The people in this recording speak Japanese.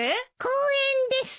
公園です。